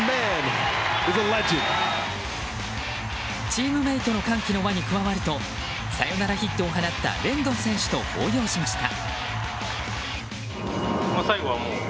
チームメートの歓喜の輪に加わるとサヨナラヒットを放ったレンドン選手と抱擁しました。